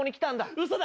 うそだ。